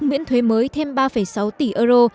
miễn thuế mới thêm ba sáu tỷ euro